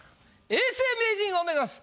永世名人を目指す